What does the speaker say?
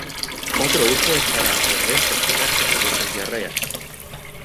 Otro uso es para absorber toxinas que producen diarrea.